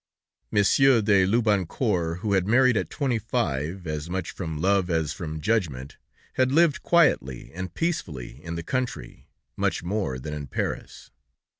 Monsieur de Loubancourt, who had married at twenty five, as much from love as from judgment, had lived quietly and peacefully in the country, much more than in Paris.